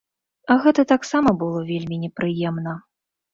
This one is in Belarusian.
Гэта таксама было вельмі непрыемна.